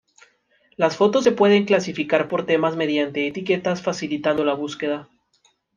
Las fotos se pueden clasificar por temas mediante etiquetas facilitando la búsqueda.